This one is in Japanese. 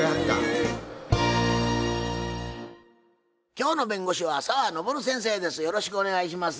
今日の弁護士は澤登先生です。